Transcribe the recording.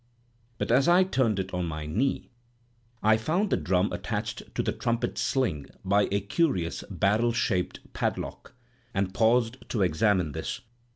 But as I turned it on my knee, I found the drum attached to the trumpet sling by a curious barrel shaped padlock, and paused to examine this.